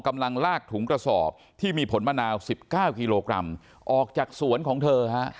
กำลังลากถุงกระสอบที่มีผลมะนาว๑๙กิโลกรัมออกจากสวนของเธอฮะ